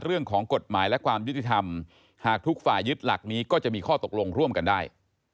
เรื่องของกฎหมายและความยุติธรรมหากทุกฝ่ายยึดหลักนี้ก็จะมีข้อตกลงร่วมกันได้